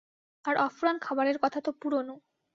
আর অফুরান খাবারের কথা তো পুরোনো।